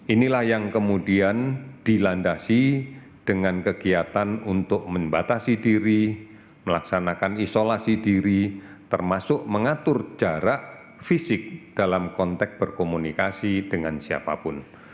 inilah yang kemudian dilandasi dengan kegiatan untuk membatasi diri melaksanakan isolasi diri termasuk mengatur jarak fisik dalam konteks berkomunikasi dengan siapapun